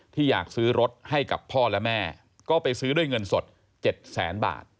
ที่อยากซื้อรถให้กับพ่อและแม่ก็ไปซื้อด้วยเงินสด๗แสนบาท